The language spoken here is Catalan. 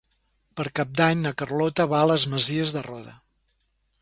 Per Cap d'Any na Carlota va a les Masies de Roda.